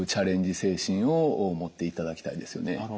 精神を持っていただきたいですよね。